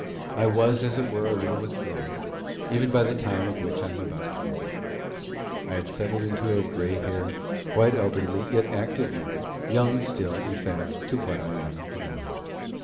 I was as it were a little withdrawn, even by the time of which I am about to write. I had settled into a gray haired, quite elderly, yet active man young still, in fact, to what I am now.